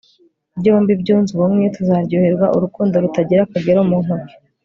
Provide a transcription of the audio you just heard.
byombi byunze ubumwe, tuzaryoherwa urukundo rutagira akagero mu ntoki